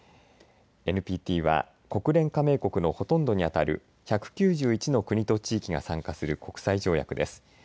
ＮＰＴは国連加盟国のほとんどに当たる１９１の国と地域が参加する国際条約です。